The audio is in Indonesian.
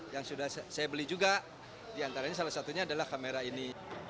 yang sudah saya beli juga diantaranya salah satunya adalah kamera ini